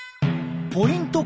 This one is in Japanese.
ポイント